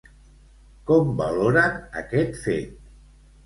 Com valoren aquest fet?